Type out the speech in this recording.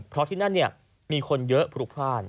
เพราะที่นั่นเนี่ยมีคนเยอะผลุพลาด